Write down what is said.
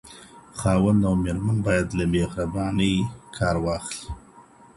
خاوند او ميرمن بايد له مهربانۍ کار واخلي.